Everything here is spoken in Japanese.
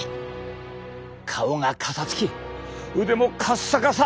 顔がかさつき腕もかっさかさ。